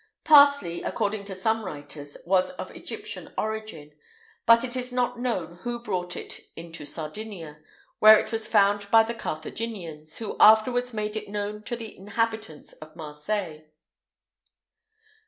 Parsley, according to some writers, was of Egyptian origin; but it is not known who brought it into Sardinia, where it was found by the Carthaginians, who afterwards made it known to the inhabitants of Marseilles.